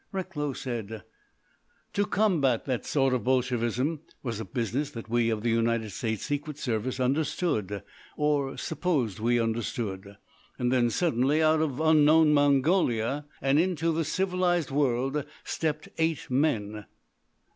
Recklow said: "To combat that sort of Bolshevism was a business that we of the United States Secret Service understood—or supposed we understood. "Then, suddenly, out of unknown Mongolia and into the civilised world stepped eight men."